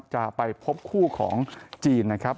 จะไปพบคู่ของจีนนะครับ